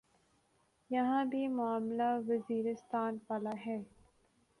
یہاں بھی معاملہ وزیرستان والا ہے۔